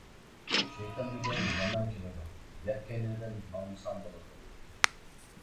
شەيتان دېگەن يامان كېلىدۇ، يات كەينىدىن ماڭمىساڭ بولدى.